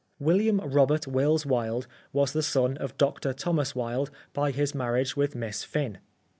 William Robert Wills Wilde was the son of Dr Thomas Wilde by his marriage with Miss Fynn.